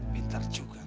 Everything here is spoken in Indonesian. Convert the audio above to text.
pintar juga men